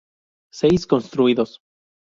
Seis construidos.